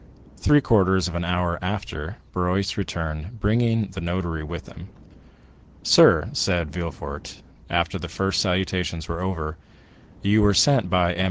Three quarters of an hour after, Barrois returned, bringing the notary with him. "Sir," said Villefort, after the first salutations were over, "you were sent for by M.